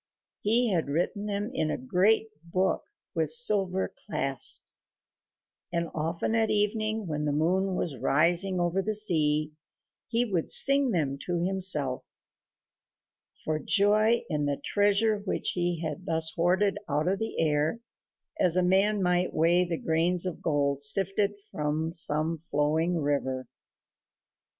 He had written them in a great book with silver clasps, and often at evening, when the moon was rising over the sea, he would sing them to himself, for joy in the treasure which he had thus hoarded out of the air, as a man might weigh the grains of gold sifted from some flowing river.